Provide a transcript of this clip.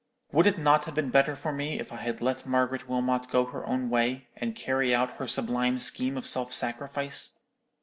Would it not have been better for me if I had let Margaret Wilmot go her own way, and carry out her sublime scheme of self sacrifice?